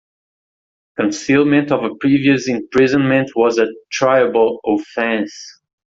Concealment of a previous imprisonment was a triable offence.